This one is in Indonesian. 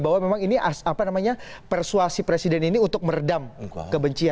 bahwa memang ini apa namanya persuasi presiden ini untuk meredam kebencian